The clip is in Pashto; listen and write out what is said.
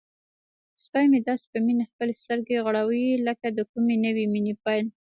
سپی مې داسې په مینه خپلې سترګې غړوي لکه د کومې نوې مینې پیل.